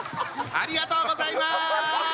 ありがとうございます！